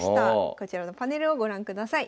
こちらのパネルをご覧ください。